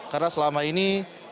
karena selama ini